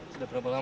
sudah berapa lama